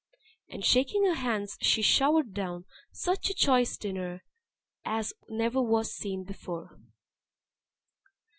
And shaking her hands she showered down such a choice dinner as never was seen before.